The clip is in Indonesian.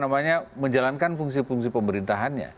menjalankan fungsi fungsi pemerintahannya